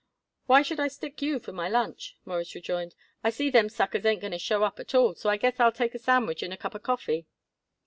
"Why should I stick you for my lunch?" Morris rejoined. "I see them suckers ain't going to show up at all, so I guess I'll take a sandwich and a cup of coffee."